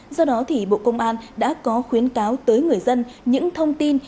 do đó bộ công an đã có khuyến cáo tới người dân những thông tin